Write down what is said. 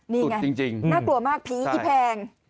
นี่ไงน่ากลัวมากผีอีแพง